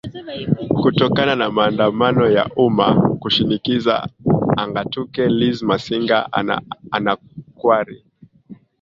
kutokana na maandamano ya uma kushinikiza angatuke liz masinga ana anakuari